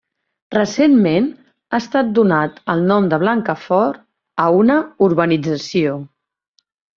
Recentment ha estat donat el nom de Blancafort a una urbanització.